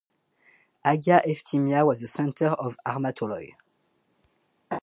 Agia Efthymia was a center of armatoloi.